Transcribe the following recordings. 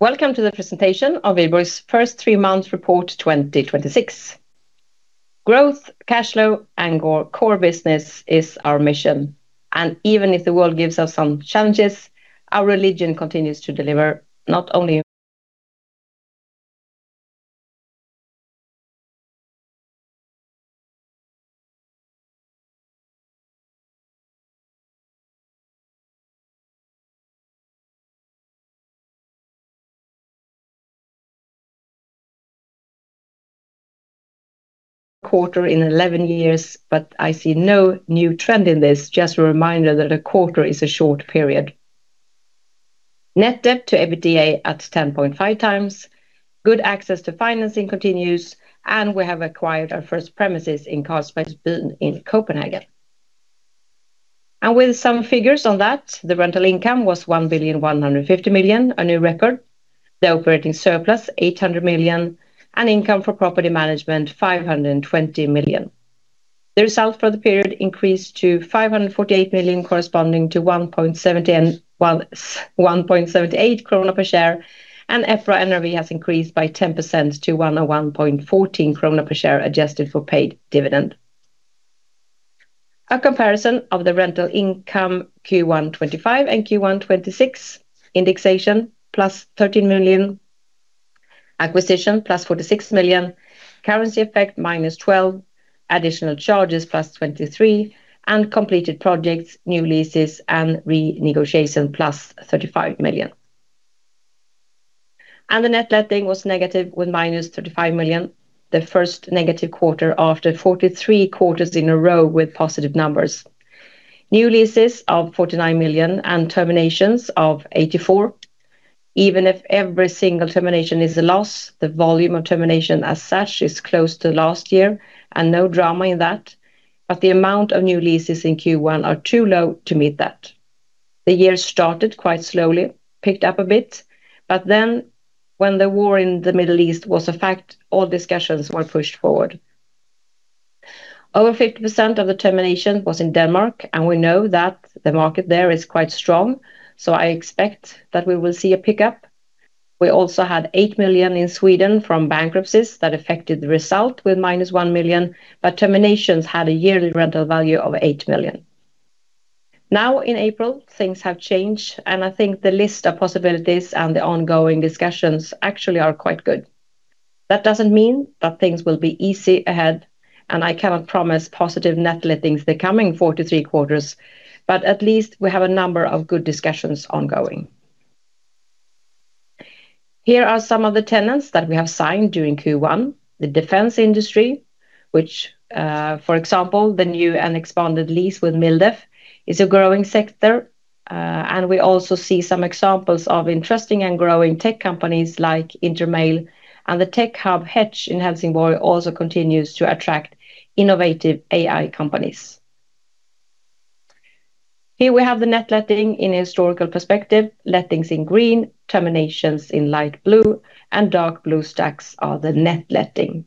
Welcome to the presentation of Wihlborgs first three months report 2026. Growth, cash flow, and our core business is our mission. Even if the world gives us some challenges, our region continues to deliver not only quarter in 11 years, but I see no new trend in this. Just a reminder that a quarter is a short period. Net debt-to-EBITDA at 10.5x. Good access to financing continues, and we have acquired our first premises in Carlsberg in Copenhagen. With some figures on that, the rental income was 1,150,000,000, a new record, the operating surplus 800 million, and income from property management 520 million. The result for the period increased to 548 million corresponding to 1.78 krona per share, and EPRA NRV has increased by 10% to 101.14 krona per share, adjusted for paid dividend. A comparison of the rental income Q1 2025 and Q1 2026. Indexation, +13 million. Acquisition, plus 46 million. Currency effect, -12 million. Additional charges, +23 million, and completed projects, new leases, and renegotiation, +35 million. The net letting was negative with -35 million, the first negative quarter after 43 quarters in a row with positive numbers. New leases of 49 million and terminations of 84 million. Even if every single termination is a loss, the volume of termination as such is close to last year and no drama in that. The amount of new leases in Q1 are too low to meet that. The year started quite slowly, picked up a bit, but then when the war in the Middle East was a fact, all discussions were pushed forward. Over 50% of the termination was in Denmark, and we know that the market there is quite strong, so I expect that we will see a pickup. We also had 8 million in Sweden from bankruptcies that affected the result with -1 million, but terminations had a yearly rental value of 28 million. Now in April, things have changed, and I think the list of possibilities and the ongoing discussions actually are quite good. That doesn't mean that things will be easy ahead, and I cannot promise positive net lettings the coming 43 quarters, but at least we have a number of good discussions ongoing. Here are some of the tenants that we have signed during Q1. The defense industry, which for example, the new and expanded lease with Mildef is a growing sector. We also see some examples of interesting and growing tech companies like InterMail. The tech hub, HETCH in Helsingborg also continues to attract innovative AI companies. Here we have the net letting in a historical perspective. Lettings in green, terminations in light blue, and dark blue stacks are the net letting.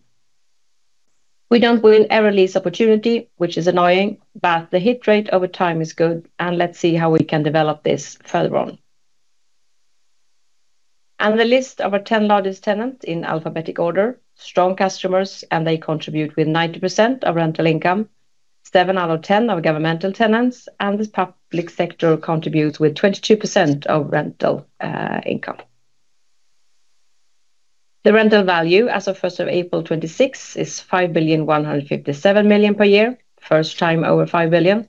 We don't win every lease opportunity, which is annoying, but the hit rate over time is good, and let's see how we can develop this further on. The list of our 10 largest tenants in alphabetic order. Strong customers and they contribute with 90% of rental income, seven out of 10 are governmental tenants, and the public sector contributes with 22% of rental income. The rental value as of 1st of April 2026 is 5,157,000,000 per year, first time over 5 billion,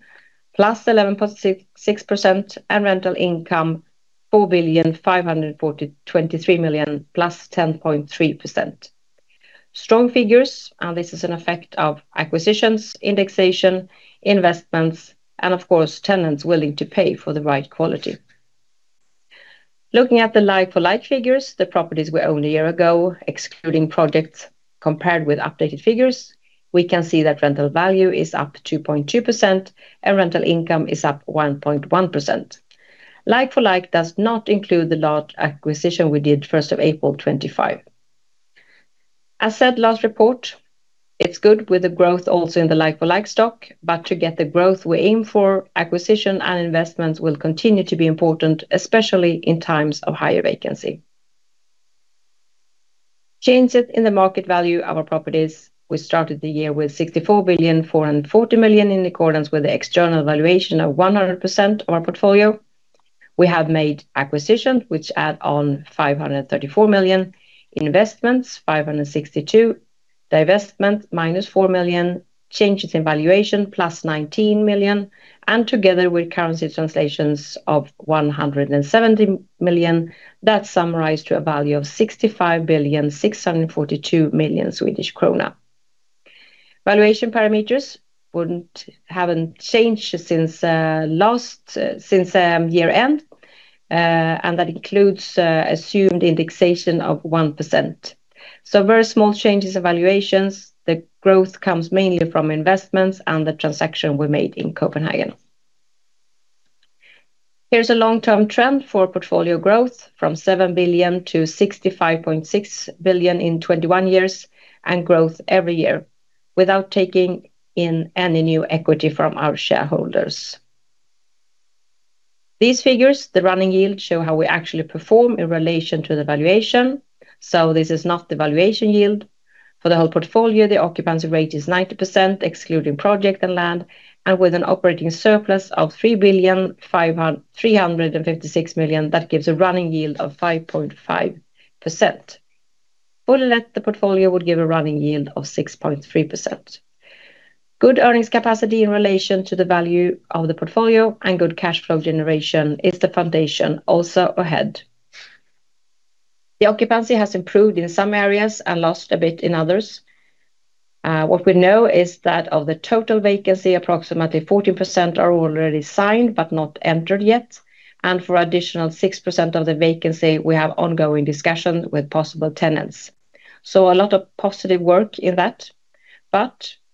+11.6%, and rental income 4,523,000,000, +10.3%. Strong figures, and this is an effect of acquisitions, indexation, investments, and of course tenants willing to pay for the right quality. Looking at the like-for-like figures, the properties we owned a year ago, excluding projects compared with updated figures, we can see that rental value is up 2.2% and rental income is up 1.1%. Like-for-like does not include the large acquisition we did 1st of April 2025. As said last report, it's good with the growth also in the like-for-like stock, but to get the growth we aim for, acquisition and investments will continue to be important, especially in times of higher vacancy. Changes in the market value of our properties. We started the year with 64,440,000,000 in accordance with the external valuation of 100% of our portfolio. We have made acquisitions which add on 534 million. Investments, 562 million. Divestment, -4 million. Changes in valuation, +19 million, and together with currency translations of 117 million, that summarized to a value of 65,642,000,000 Swedish krona. Valuation parameters haven't changed since year-end, and that includes assumed indexation of 1%. Very small changes in valuations. The growth comes mainly from investments and the transaction we made in Copenhagen. Here's a long-term trend for portfolio growth from 7 billion-65.6 billion in 21 years, and growth every year without taking in any new equity from our shareholders. These figures, the running yield, show how we actually perform in relation to the valuation. This is not the valuation yield. For the whole portfolio, the occupancy rate is 90%, excluding project and land, and with an operating surplus of 3,356,000,000. That gives a running yield of 5.5%. Fully let, the portfolio would give a running yield of 6.3%. Good earnings capacity in relation to the value of the portfolio and good cash flow generation is the foundation also ahead. The occupancy has improved in some areas and lost a bit in others. What we know is that of the total vacancy, approximately 14% are already signed but not entered yet. For additional 6% of the vacancy, we have ongoing discussions with possible tenants. A lot of positive work in that.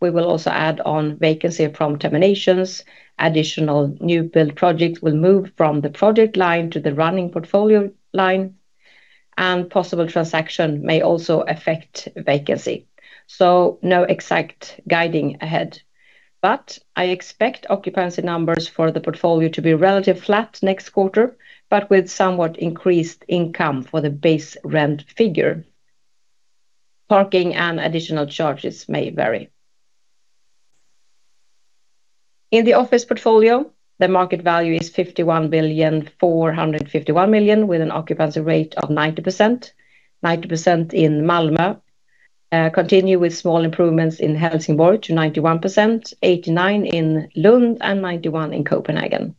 We will also add on vacancy from terminations. Additional new build projects will move from the project line to the running portfolio line, and possible transaction may also affect vacancy, so no exact guidance ahead. I expect occupancy numbers for the portfolio to be relatively flat next quarter, but with somewhat increased income for the base rent figure. Parking and additional charges may vary. In the office portfolio, the market value is 51.451 billion with an occupancy rate of 90%. 90% in Malmö, continue with small improvements in Helsingborg to 91%, 89% in Lund, and 91% in Copenhagen.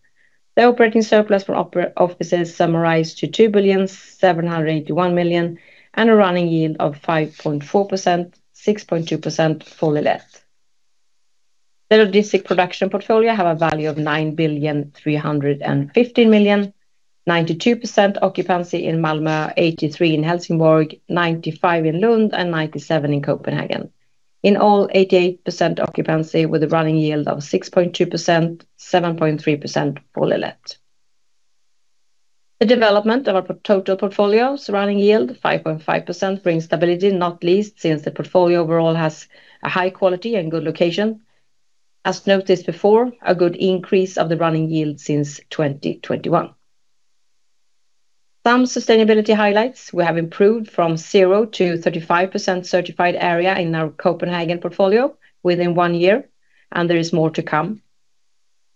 The operating surplus from offices summarized to 2,781,000,000 and a running yield of 5.4%, 6.2% fully let. The logistics production portfolio have a value of 9,315,000,000. 92% occupancy in Malmö, 83% in Helsingborg, 95% in Lund, and 97% in Copenhagen. In all, 88% occupancy with a running yield of 6.2%, 7.3% fully let. The development of our total portfolio's running yield, 5.5%, brings stability, not least since the portfolio overall has a high quality and good location. As noted before, a good increase of the running yield since 2021. Some sustainability highlights. We have improved from 0%-35% certified area in our Copenhagen portfolio within one year, and there is more to come.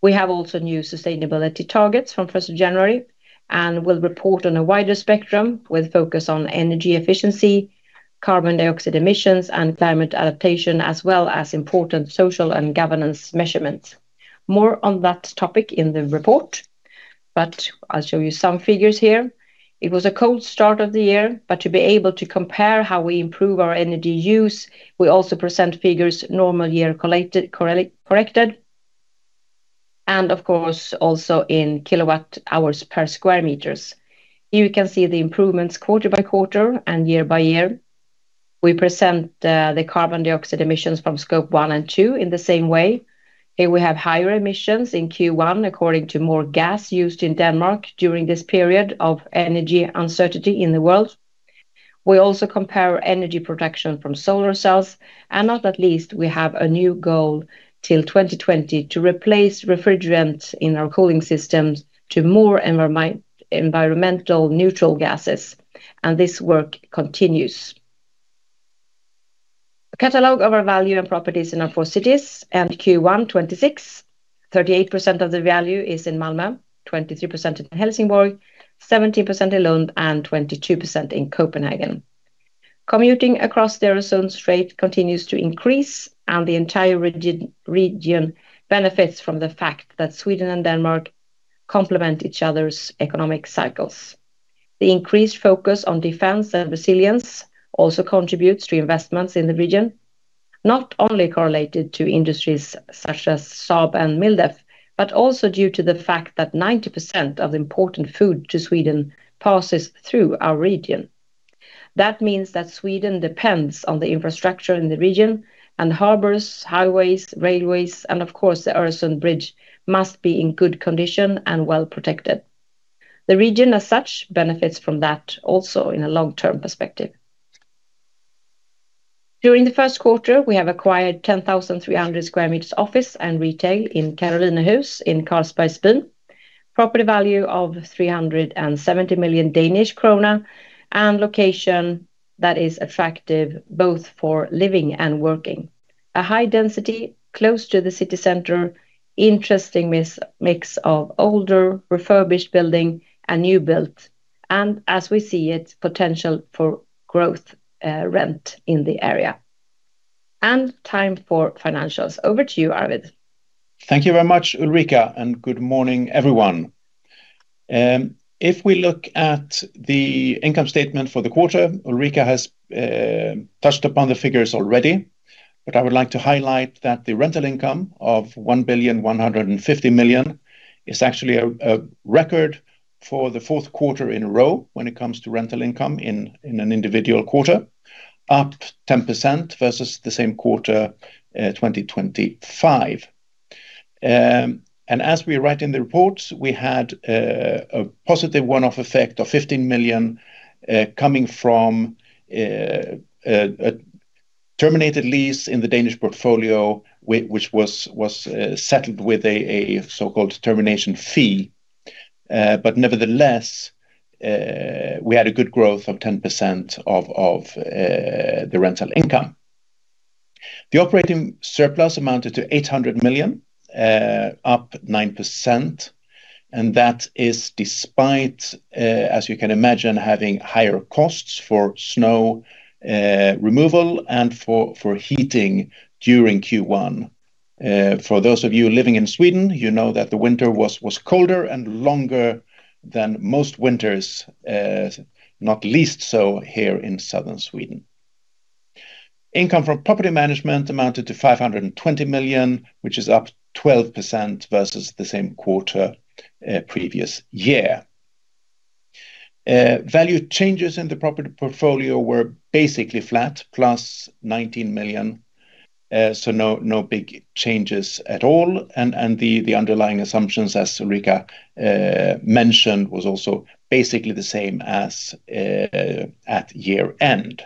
We have also new sustainability targets from 1st of January and will report on a wider spectrum with focus on energy efficiency, carbon dioxide emissions, and climate adaptation, as well as important social and governance measurements. More on that topic in the report, but I'll show you some figures here. It was a cold start of the year, but to be able to compare how we improve our energy use, we also present figures normal year corrected, and of course also in kilowatt hours per square meters. Here you can see the improvements quarter by quarter and year by year. We present the carbon dioxide emissions from scope one and two in the same way. Here we have higher emissions in Q1, according to more gas used in Denmark during this period of energy uncertainty in the world. We also compare energy production from solar cells, and not least, we have a new goal till 2020 to replace refrigerant in our cooling systems to more environmentally neutral gases, and this work continues. A catalog of our value and properties in our four cities, end Q1 2026. 38% of the value is in Malmö, 23% in Helsingborg, 17% in Lund, and 22% in Copenhagen. Commuting across the Öresund strait continues to increase, and the entire region benefits from the fact that Sweden and Denmark complement each other's economic cycles. The increased focus on defense and resilience also contributes to investments in the region, not only correlated to industries such as Saab and Mildef, but also due to the fact that 90% of the important food to Sweden passes through our region. That means that Sweden depends on the infrastructure in the region, and harbors, highways, railways, and of course, the Öresund bridge must be in good condition and well protected. The region as such benefits from that also in a long-term perspective. During the first quarter, we have acquired 10,300 sq m office and retail in Caroline Hus in Carlsberg Byen. Property value of 370 million Danish krone and location that is attractive both for living and working. A high density close to the city center. Interesting mix of older refurbished building and new build. As we see it, potential for growth rent in the area. Time for financials. Over to you, Arvid. Thank you very much, Ulrika, and good morning, everyone. If we look at the income statement for the quarter, Ulrika has touched upon the figures already. I would like to highlight that the rental income of 1.150 million is actually a record for the fourth quarter in a row when it comes to rental income in an individual quarter. Up 10% versus the same quarter 2025. As we write in the reports, we had a positive one-off effect of 15 million coming from a terminated lease in the Danish portfolio, which was settled with a so-called termination fee. Nevertheless, we had a good growth of 10% of the rental income. The operating surplus amounted to 800 million, up 9%, and that is despite, as you can imagine, having higher costs for snow removal and for heating during Q1. For those of you living in Sweden, you know that the winter was colder and longer than most winters, not least so here in southern Sweden. Income from property management amounted to 520 million, which is up 12% versus the same quarter previous year. Value changes in the property portfolio were basically flat, +19 million. No big changes at all. The underlying assumptions, as Ulrika mentioned, was also basically the same as at year-end.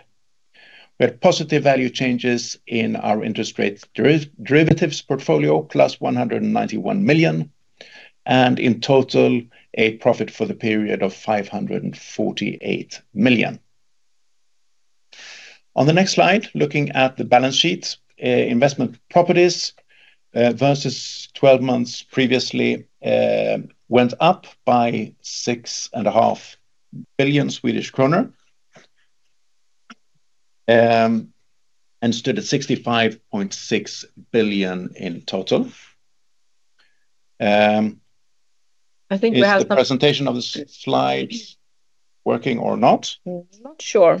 We had positive value changes in our interest rate derivatives portfolio, +191 million, and in total, a profit for the period of 548 million. On the next slide, looking at the balance sheet, investment properties versus 12 months previously went up by 6.5 billion Swedish kronor and stood at 65.6 billion in total. I think we have some- Is the presentation of the slides working or not? Not sure.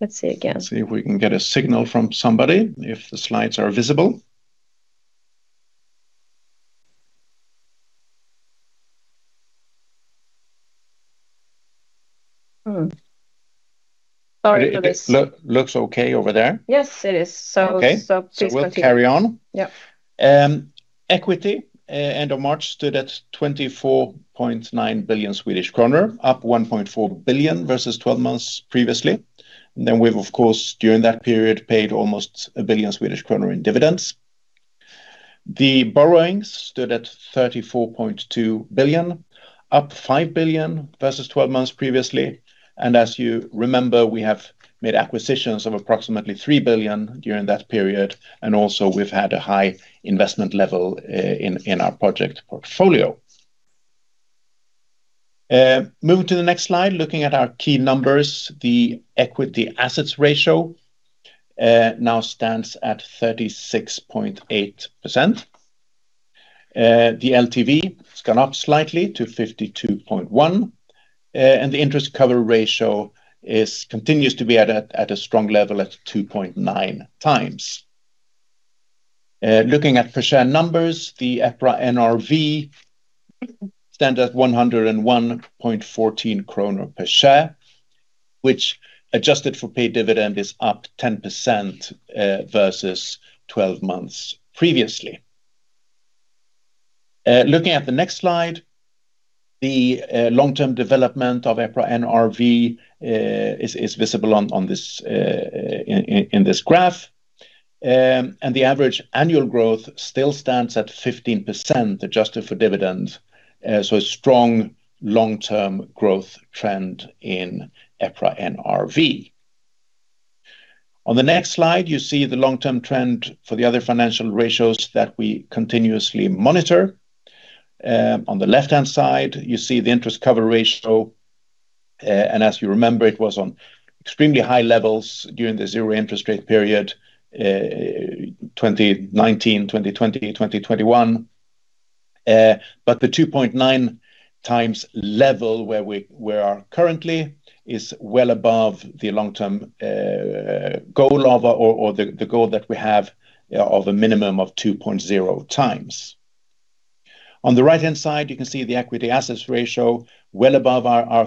Let's see again. See if we can get a signal from somebody if the slides are visible. Sorry for this. Looks okay over there? Yes, it is. Okay. Please continue. We'll carry on. Yep. Equity, end of March, stood at 24.9 billion Swedish kronor, up 1.4 billion versus 12 months previously. We've, of course, during that period, paid almost 1 billion Swedish kronor in dividends. The borrowings stood at 34.2 billion, up 5 billion versus 12 months previously. As you remember, we have made acquisitions of approximately 3 billion during that period, and also we've had a high investment level in our project portfolio. Moving to the next slide, looking at our key numbers, the equity assets ratio now stands at 36.8%. The LTV has gone up slightly to 52.1%, and the Interest Coverage Ratio continues to be at a strong level at 2.9x. Looking at per share numbers, the EPRA NRV stands at 101.14 kronor per share, which, adjusted for paid dividend, is up 10% versus 12 months previously. Looking at the next slide, the long-term development of EPRA NRV is visible in this graph. The average annual growth still stands at 15%, adjusted for dividend. A strong long-term growth trend in EPRA NRV. On the next slide, you see the long-term trend for the other financial ratios that we continuously monitor. On the left-hand side, you see the Interest Coverage Ratio. As you remember, it was on extremely high levels during the zero interest rate period, 2019, 2020, 2021. The 2.9x level where we are currently is well above the long-term goal of, or the goal that we have of a minimum of 2.0x. On the right-hand side, you can see the Equity Assets Ratio well above our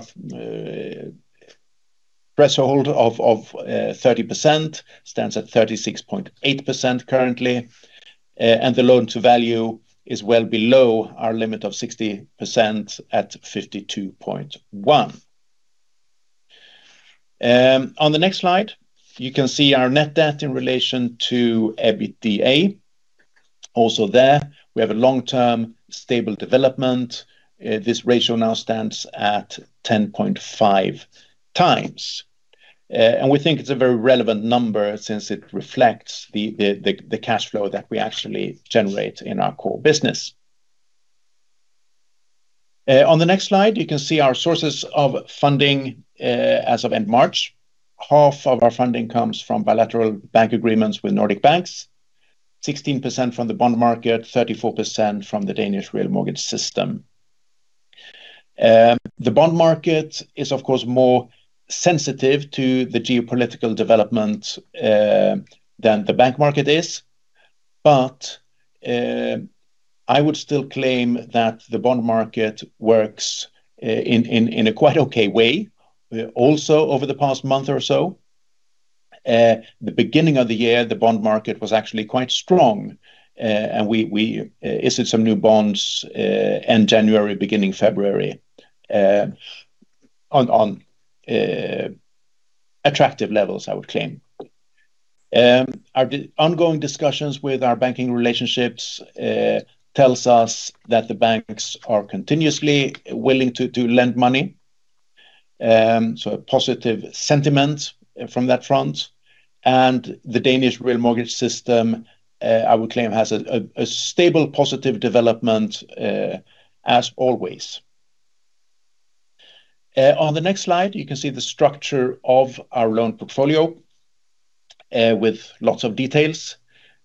threshold of 30%, stands at 36.8% currently. The loan-to-value is well below our limit of 60% at 52.1%. On the next slide, you can see our net debt in relation to EBITDA. Also there, we have a long-term stable development. This ratio now stands at 10.5x. We think it's a very relevant number since it reflects the cash flow that we actually generate in our core business. On the next slide, you can see our sources of funding as of end March. Half of our funding comes from bilateral bank agreements with Nordic banks, 16% from the bond market, 34% from the Danish mortgage-credit system. The bond market is, of course, more sensitive to the geopolitical development than the bank market is. I would still claim that the bond market works in a quite okay way. Over the past month or so, the beginning of the year, the bond market was actually quite strong, and we issued some new bonds end January, beginning February on attractive levels, I would claim. Our ongoing discussions with our banking relationships tells us that the banks are continuously willing to lend money. A positive sentiment from that front. The Danish mortgage-credit system, I would claim, has a stable, positive development as always. On the next slide, you can see the structure of our loan portfolio with lots of details.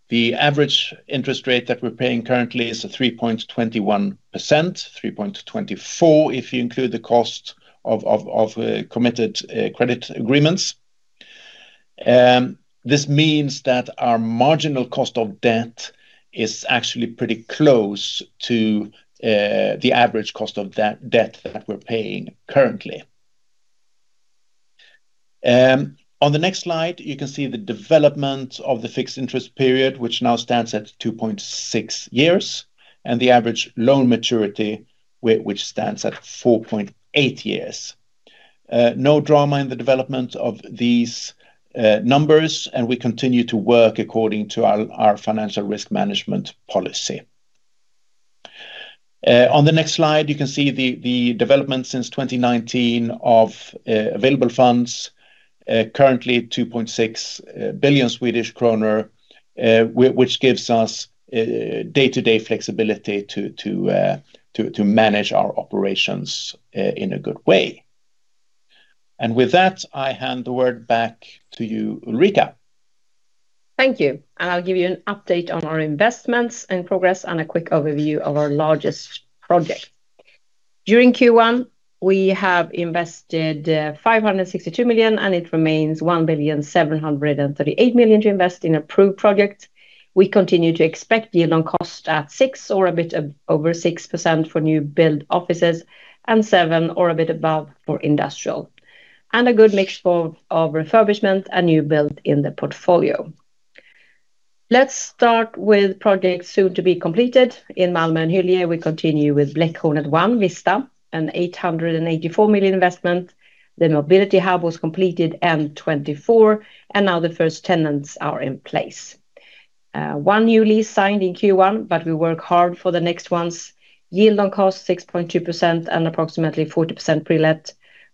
The average interest rate that we're paying currently is 3.21%, 3.24% if you include the cost of committed credit agreements. This means that our marginal cost of debt is actually pretty close to the average cost of that debt that we're paying currently. On the next slide, you can see the development of the fixed interest period, which now stands at 2.6 years, and the average loan maturity, which stands at 4.8 years. No drama in the development of these numbers, and we continue to work according to our financial risk management policy. On the next slide, you can see the development since 2019 of available funds. Currently 2.6 billion Swedish kronor, which gives us day-to-day flexibility to manage our operations in a good way. With that, I hand the word back to you, Ulrika. Thank you. I'll give you an update on our investments and progress and a quick overview of our largest project. During Q1, we have invested 562 million, and it remains 1,738,000,000 to invest in approved projects. We continue to expect yield on cost at 6% or a bit over 6% for new build offices and 7% or a bit above for industrial, and a good mix of refurbishment and new build in the portfolio. Let's start with projects soon to be completed. In Malmö and Hyllie, we continue with Bläckhornet 1, Vista, an 884 million investment. The Mobility Hub was completed end 2024, and now the first tenants are in place. One new lease signed in Q1, but we work hard for the next ones. Yield on cost, 6.2% and approximately 40% pre-let.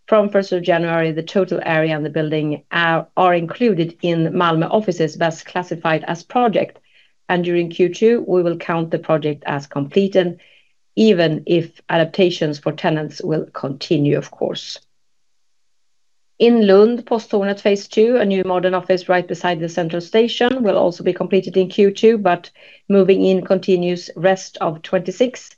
From 1st of January, the total area and the building are included in Malmö offices, thus classified as project. During Q2, we will count the project as completed, even if adaptations for tenants will continue, of course. In Lund, Posthornet phase 2, a new modern office right beside the central station, will also be completed in Q2, but moving in continues rest of 2026.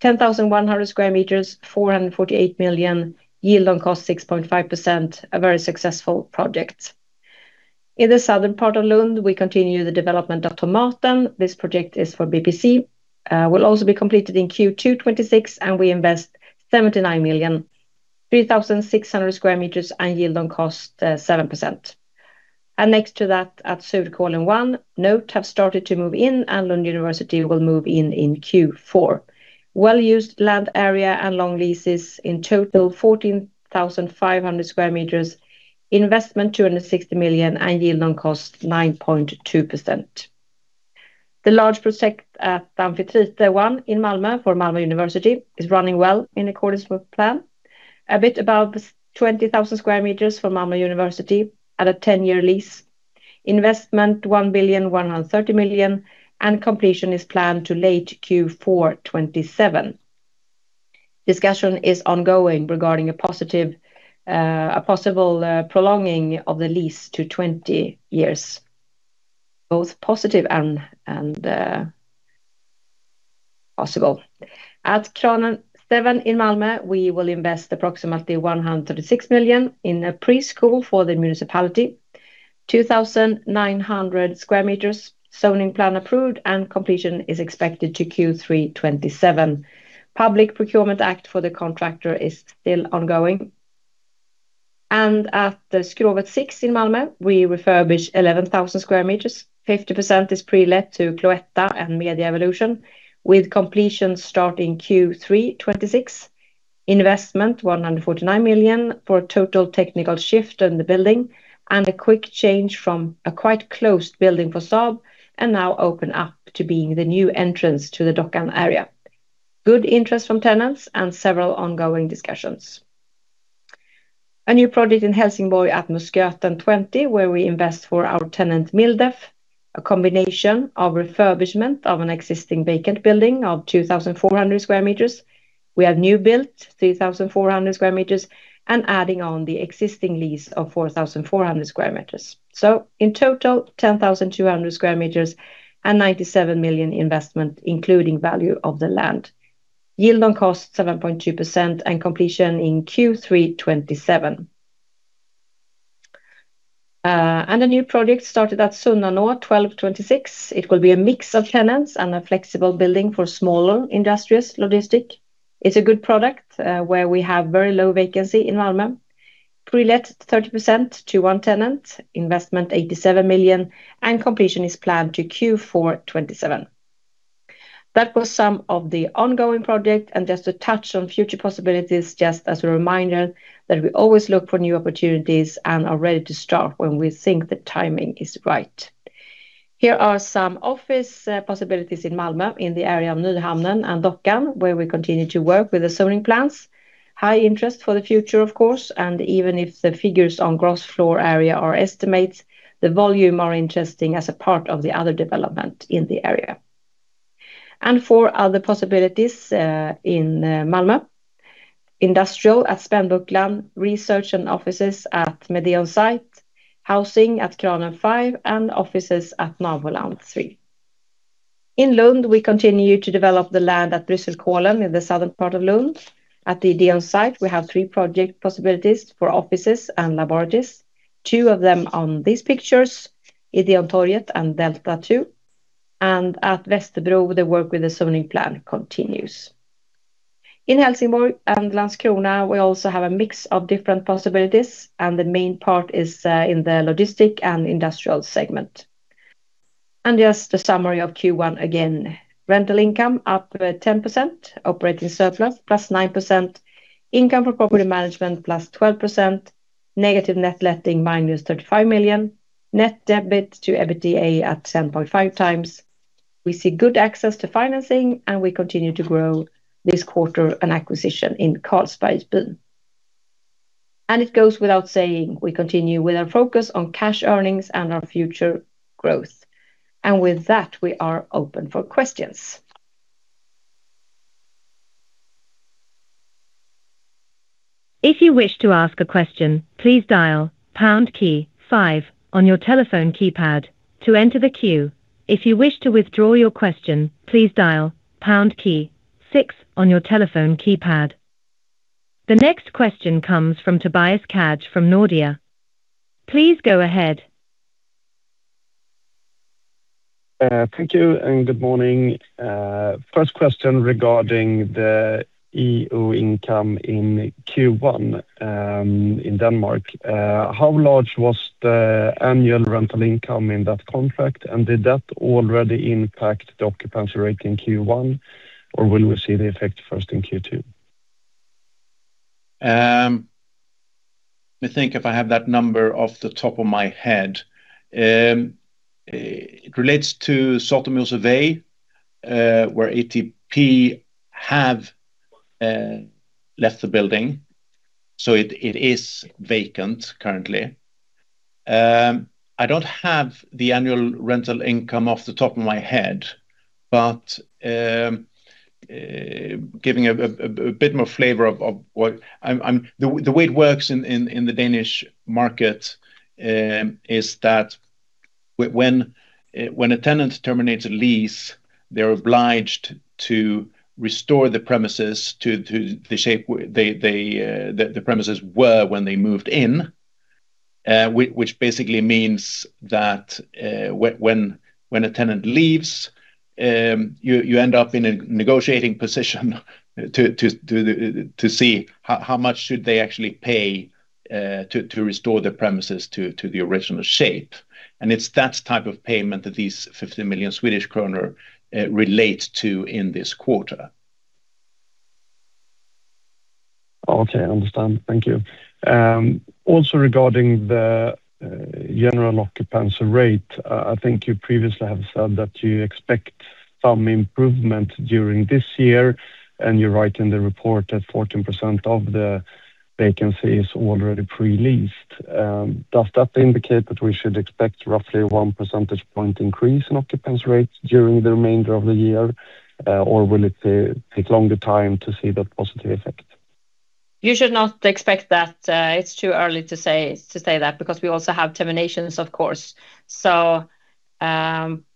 10,100 sq m, 448 million, yield on cost 6.5%, a very successful project. In the southern part of Lund, we continue the development of Tomaten. This project is for BBC. Will also be completed in Q2 2026, and we invest 79 million, 3,600 sq m, and yield on cost 7%. Next to that, at Söderkollen 1, NOTE have started to move in and Lund University will move in in Q4. Well-used land area and long leases. In total, 14,500 sq m. Investment 260 million and yield on cost 9.2%. The large project at Amfitrite 1 in Malmö for Malmö University is running well in accordance with plan. A bit above 20,000 sq m for Malmö University at a 10-year lease. Investment 1,130,000,000 and completion is planned for late Q4 2027. Discussion is ongoing regarding a possible prolonging of the lease to 20 years. Both positive and possible. At Kranen 7 in Malmö, we will invest approximately 136 million in a preschool for the municipality. 2,900 sq m. Zoning Plan approved and completion is expected for Q3 2027. Public Procurement Act for the contractor is still ongoing. At Skrovet 6 in Malmö, we refurbish 11,000 sq m. 50% is pre-let to Cloetta and Media Evolution, with completion starting Q3 2026. Investment 149 million for a total technical shift in the building, and a quick change from a quite closed building for Saab, and now open up to being the new entrance to the Dockan area. Good interest from tenants and several ongoing discussions. A new project in Helsingborg at Musköten 20, where we invest for our tenant Mildef. A combination of refurbishment of an existing vacant building of 2,400 sq m. We have new built 3,400 sq m and adding on the existing lease of 4,400 sq m. So in total, 10,200 sq m and 97 million investment, including value of the land. Yield on cost 7.2% and completion in Q3 2027. A new project started at Sunnanå 12:26. It will be a mix of tenants and a flexible building for smaller industrial logistics. It's a good product where we have very low vacancy environment. Pre-let 30% to one tenant. Investment 87 million, and completion is planned to Q4 2027. That was some of the ongoing project, and just to touch on future possibilities, just as a reminder that we always look for new opportunities and are ready to start when we think the timing is right. Here are some office possibilities in Malmö, in the area of Nyhamnen and Dockan, where we continue to work with the zoning plans. High interest for the future, of course, and even if the figures on gross floor area are estimates, the volume are interesting as a part of the other development in the area. For other possibilities in Malmö, industrial at Spannbucklan, research and offices at Medeon Site, housing at Kranen 5, and offices at Naboland 3. In Lund, we continue to develop the land at Brysselkålen in the southern part of Lund. At the Ideon site, we have three project possibilities for offices and laboratories. Two of them on these pictures, Ideontorget and Delta 2. At Vesterbro, the work with the Zoning Plan continues. In Helsingborg and Landskrona, we also have a mix of different possibilities, and the main part is in the logistics and industrial segment. Just a summary of Q1 again. Rental income up 10%, operating surplus +9%, income from property management +12%, negative net letting -35 million, net debt-to-EBITDA at 7.5x. We see good access to financing, and we continue to grow this quarter an acquisition in Carlsberg Byen. It goes without saying, we continue with our focus on cash earnings and our future growth. With that, we are open for questions. The next question comes from Tobias Kaj from Nordea. Please go ahead. Thank you, and good morning. First question regarding the EO income in Q1 in Denmark. How large was the annual rental income in that contract, and did that already impact the occupancy rate in Q1, or will we see the effect first in Q2? Let me think if I have that number off the top of my head. It relates to Saltmøllevej, where ATP have left the building. It is vacant currently. I don't have the annual rental income off the top of my head. Giving a bit more flavor of the way it works in the Danish market is that when a tenant terminates a lease, they're obliged to restore the premises to the shape the premises were when they moved in, which basically means that when a tenant leaves, you end up in a negotiating position to see how much should they actually pay to restore the premises to the original shape, and it's that type of payment that these 50 million Swedish kronor relate to in this quarter. Okay, I understand. Thank you. Also regarding the general occupancy rate, I think you previously have said that you expect some improvement during this year, and you write in the report that 14% of the vacancy is already pre-leased. Does that indicate that we should expect roughly one percentage point increase in occupancy rates during the remainder of the year, or will it take longer time to see that positive effect? You should not expect that. It's too early to say that because we also have terminations, of course.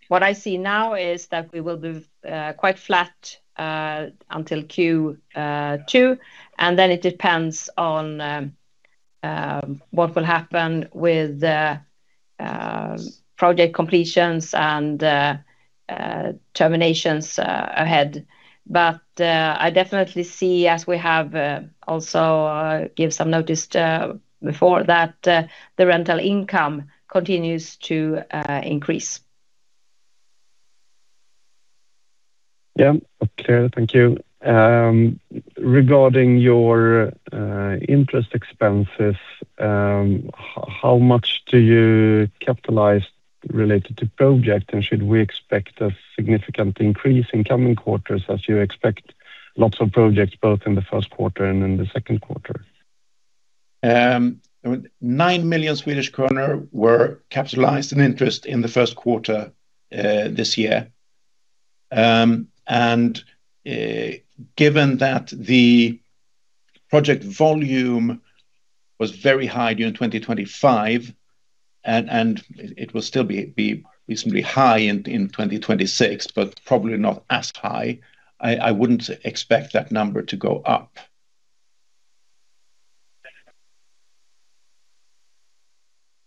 What I see now is that we will be quite flat until Q2, and then it depends on what will happen with project completions and terminations ahead. I definitely see as we have also given some notice before that the rental income continues to increase. Yeah. Okay. Thank you. Regarding your interest expenses, how much do you capitalize related to project, and should we expect a significant increase in coming quarters as you expect lots of projects both in the first quarter and in the second quarter? 9 million Swedish kronor were capitalized in interest in the first quarter this year. Given that the project volume was very high during 2025, and it will still be reasonably high in 2026, but probably not as high. I wouldn't expect that number to go up.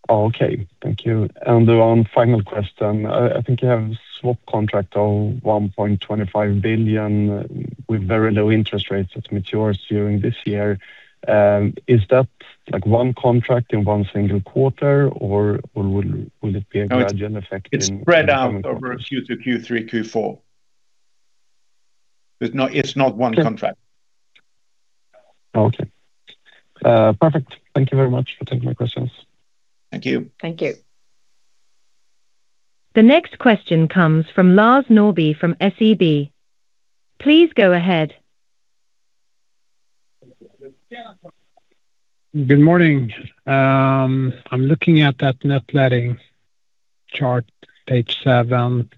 Okay, thank you. One final question. I think you have a swap contract of 1.25 billion with very low interest rates that matures during this year. Is that one contract in one single quarter, or will it be a gradual effect in- It's spread out over Q2, Q3, Q4. It's not one contract. Okay. Perfect. Thank you very much for taking my questions. Thank you. Thank you. The next question comes from Lars Norrby from SEB. Please go ahead. Good morning. I'm looking at that net letting chart, page seven.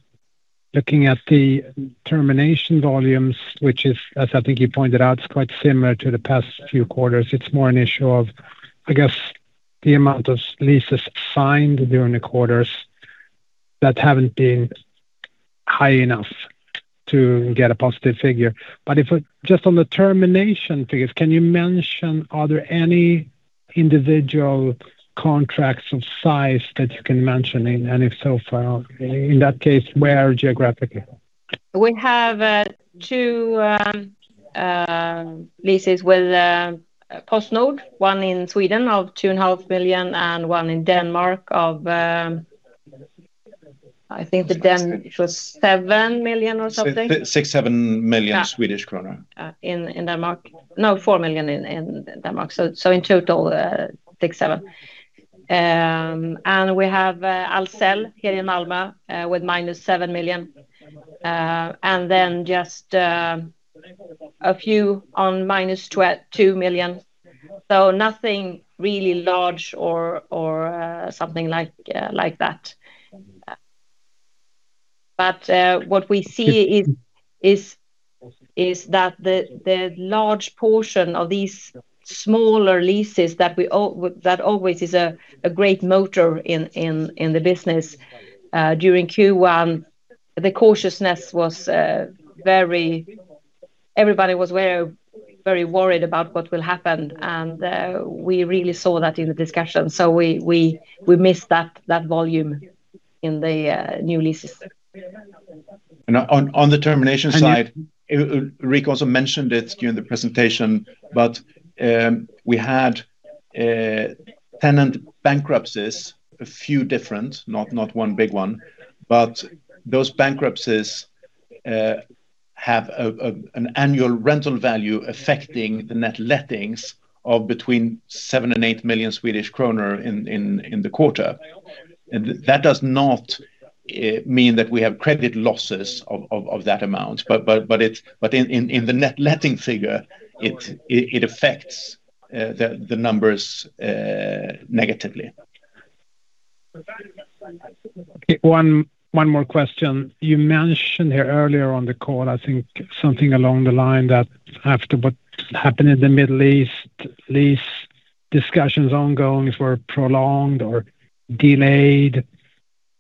Looking at the termination volumes, which is, as I think you pointed out, quite similar to the past few quarters. It's more an issue of, I guess, the amount of leases signed during the quarters that haven't been high enough to get a positive figure. Just on the termination figures, can you mention, are there any individual contracts of size that you can mention? And if so, in that case, where geographically? We have two leases with PostNord, one in Sweden of 2.5 million and one in Denmark of, I think, the was 7 million or something. 6 million-7 million Swedish kronor. In Denmark. No, 4 million in Denmark. In total, 6 million-7 million. We have Ahlsell here in Malmö, with -7 million. Just a few on -2 million. Nothing really large or something like that. What we see is that the large portion of these smaller leases that always is a great motor in the business. During Q1, the cautiousness was very. Everybody was very worried about what will happen, and we really saw that in the discussion. We missed that volume in the new leases. On the termination side, Ulrika also mentioned it during the presentation. We had tenant bankruptcies, a few different, not one big one. Those bankruptcies have an annual rental value affecting the net lettings of between 7 million and 8 million Swedish kronor in the quarter. That does not mean that we have credit losses of that amount. In the net letting figure, it affects the numbers negatively. One more question. You mentioned here earlier on the call, I think, something along the line that after what happened in the Middle East, lease discussions ongoing were prolonged or delayed.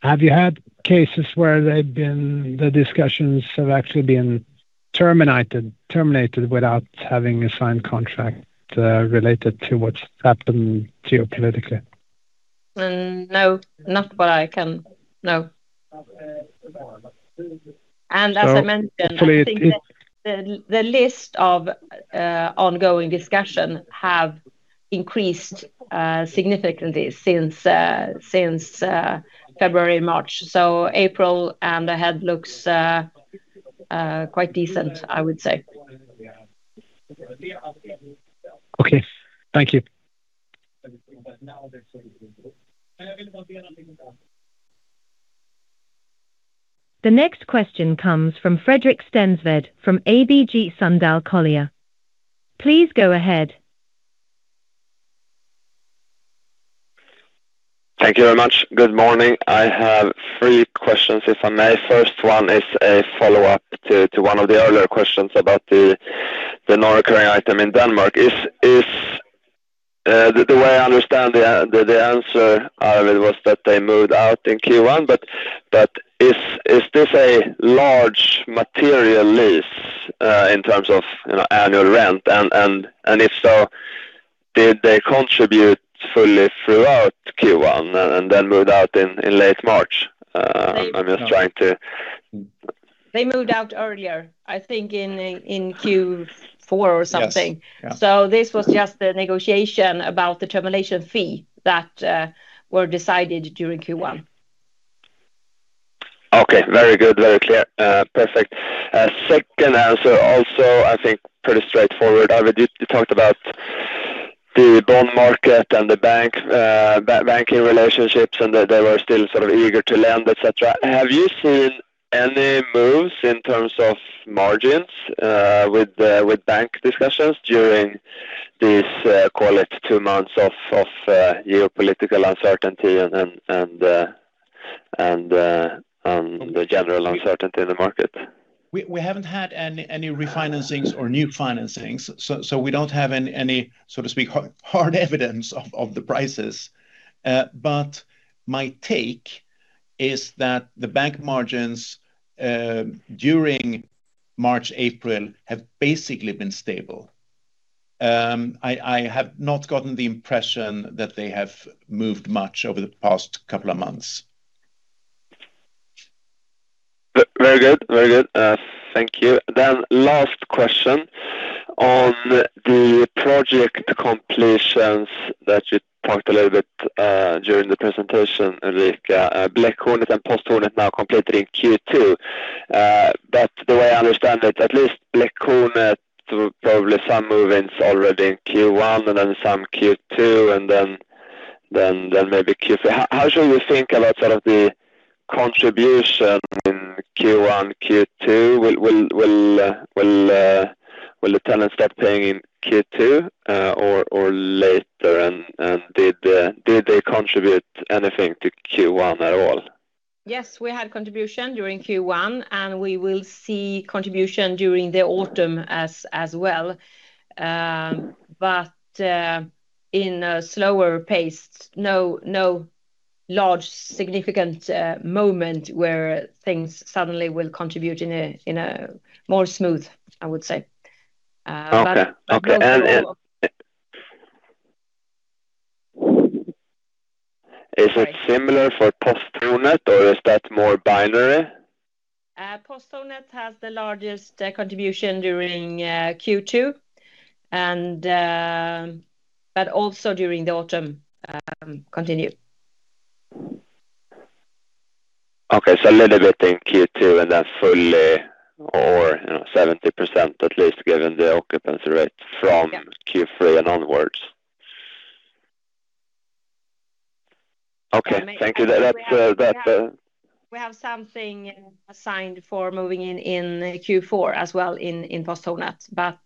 Have you had cases where the discussions have actually been terminated without having a signed contract related to what's happened geopolitically? No, not what I can know. As I mentioned, I think that the list of ongoing discussions have increased significantly since February, March. April and ahead looks quite decent, I would say. Okay, thank you. The next question comes from Fredrik Skjerven from ABG Sundal Collier. Please go ahead. Thank you very much. Good morning. I have three questions, if I may. First one is a follow-up to one of the earlier questions about the non-recurring item in Denmark. The way I understand the answer, Arvid, was that they moved out in Q1, but is this a large material lease in terms of annual rent? And if so, did they contribute fully throughout Q1 and then moved out in late March? I'm just trying to. They moved out earlier, I think in Q4 or something. Yes. This was just the negotiation about the termination fee that were decided during Q1. Okay, very good. Very clear. Perfect. Second answer also, I think pretty straightforward. Arvid, you talked about the bond market and the banking relationships, and that they were still sort of eager to lend, et cetera. Have you seen any moves in terms of margins with bank discussions during these, call it two months of geopolitical uncertainty and the general uncertainty in the market? We haven't had any refinancings or new financings, so we don't have any, so to speak, hard evidence of the prices. My take is that the bank margins, during March, April, have basically been stable. I have not gotten the impression that they have moved much over the past couple of months. Very good. Thank you. Last question. On the project completions that you talked a little bit during the presentation, Ulrika, Bläckhornet and Posthornet now completed in Q2. But the way I understand it, at least Bläckhornet, probably some move-ins already in Q1 and then some Q2, and then maybe Q3. How should we think about the contribution in Q1, Q2? Will the tenants start paying in Q2 or later? And did they contribute anything to Q1 at all? Yes, we had contribution during Q1, and we will see contribution during the autumn as well. In a slower pace. No large significant moment where things suddenly will contribute in a more smooth, I would say. Okay. Is it similar for Posthornet or is that more Bläckhornet? Posthornet has the largest contribution during Q2, but also during the autumn continue. Okay. A little bit in Q2 and then fully or 70% at least given the occupancy rate from Q3 and onwards. Okay. Thank you. We have something assigned for moving in Q4 as well in Posthornet, but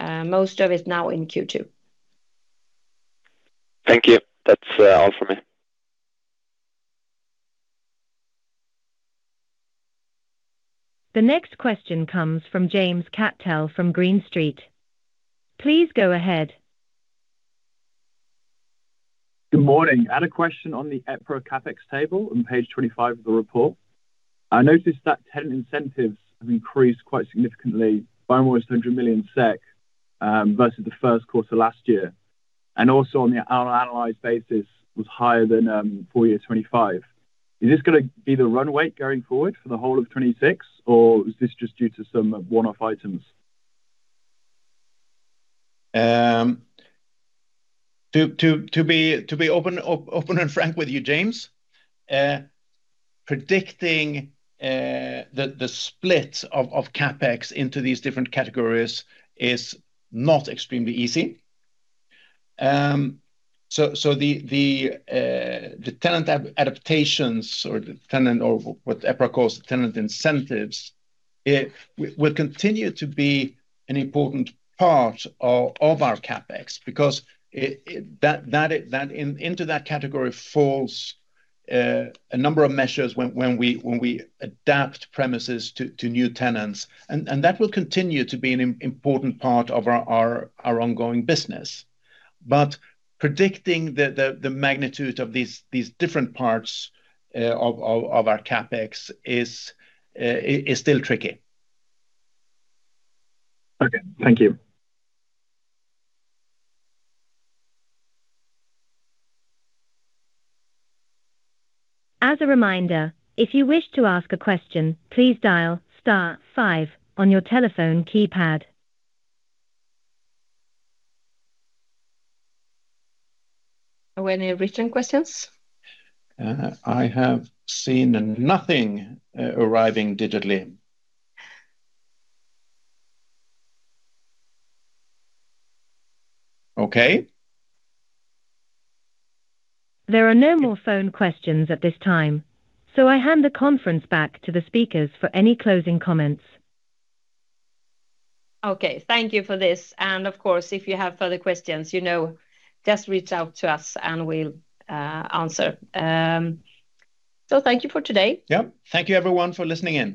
most of it now in Q2. Thank you. That's all for me. The next question comes from James Cattell from Green Street. Please go ahead. Good morning. I had a question on the EPRA CapEx table on page 25 of the report. I noticed that tenant incentives have increased quite significantly by almost 100 million SEK, versus the first quarter last year, and also on the annual analyzed basis was higher than full year 2025. Is this going to be the run rate going forward for the whole of 2026 or is this just due to some one-off items? To be open and frank with you, James, predicting the split of CapEx into these different categories is not extremely easy. The tenant adaptations or what EPRA calls the tenant incentives, will continue to be an important part of our CapEx, because into that category falls a number of measures when we adapt premises to new tenants. That will continue to be an important part of our ongoing business. Predicting the magnitude of these different parts of our CapEx is still tricky. Okay. Thank you. As a reminder, if you wish to ask a question, please dial star five on your telephone keypad. Were there any written questions? I have seen nothing arriving digitally. Okay. There are no more phone questions at this time, so I hand the conference back to the speakers for any closing comments. Okay. Thank you for this. Of course, if you have further questions, just reach out to us and we'll answer. Thank you for today. Yep. Thank you everyone for listening in.